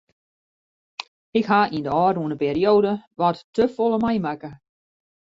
Ik ha yn de ôfrûne perioade wat te folle meimakke.